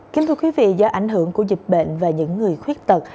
kính thưa quý vị do ảnh hưởng của dịch bệnh và những người khuyết tật